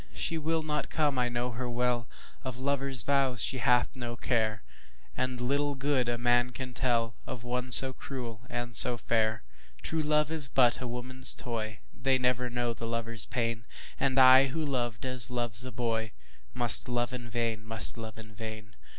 She will not come, I know her well, Of lover's vows she hath no care, And little good a man can tellOf one so cruel and so fair. True love is but a woman's toy, They never know the lover's pain, And I who loved as loves a boyMust love in vain, must love in vain.